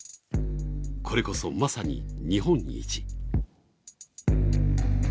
これこそ、まさに日本一。